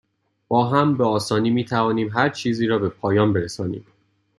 با هم، به آسانی می توانیم هرچیزی را به پایان برسانیم.